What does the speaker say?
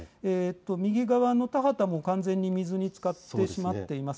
右側の田畑も完全に水につかってしまっています。